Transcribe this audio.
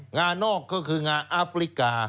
งานอกก็คืองาอาฟริกา